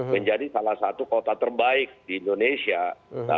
menjadi salah satu kota terbaik di indonesia